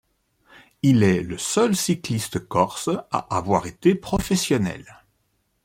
Il est le seul cycliste corse à avoir été professionnel.